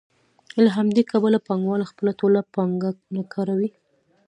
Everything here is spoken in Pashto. له همدې کبله پانګوال خپله ټوله پانګه نه کاروي